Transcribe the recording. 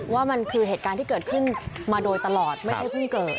ว่ามันคือเหตุการณ์ที่เกิดขึ้นมาโดยตลอดไม่ใช่เพิ่งเกิด